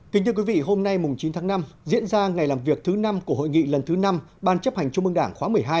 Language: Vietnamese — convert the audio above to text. kính thưa quý vị hôm nay chín tháng năm diễn ra ngày làm việc thứ năm của hội nghị lần thứ năm ban chấp hành trung mương đảng khóa một mươi hai